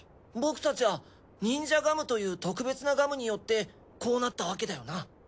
僕たちはニンジャガムという特別なガムによってこうなったわけだよな。